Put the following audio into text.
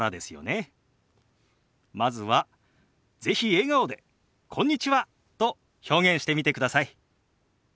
まずは是非笑顔で「こんにちは」と表現してみてください。